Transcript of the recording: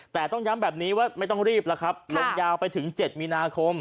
แต่ต้องย้ำแบบนี้ว่าไม่ต้องรีบแล้วครับลงยาวไปถึง๗มีนาคม